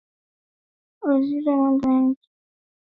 Waziri wa Mambo ya Nje wa Uganda Henry Okello Oryem alisema